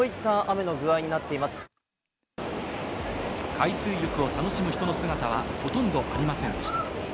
海水浴を楽しむ人の姿はほとんどありませんでした。